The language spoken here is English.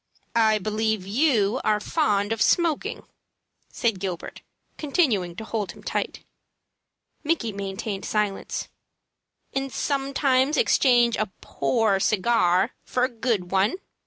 "I believe you are fond of smoking," said Gilbert, continuing to hold him tight. Micky maintained silence. "And sometimes exchange a poor cigar for a good one?"